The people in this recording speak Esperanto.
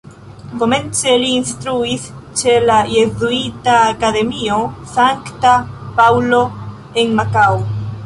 Komence li instruis ĉe la Jezuita Akademio Sankta Paŭlo en Makao.